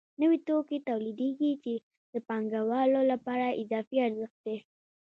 نوي توکي تولیدېږي چې د پانګوالو لپاره اضافي ارزښت دی